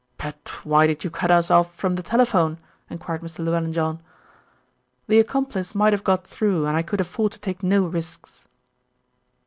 "But why did you cut us off from the telephone?" enquired Mr. Llewellyn John. "The accomplice might have got through, and I could afford to take no risks."